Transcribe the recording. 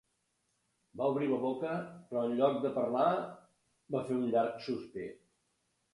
Va obrir la boca, però en lloc de parlar va fer un llarg sospir.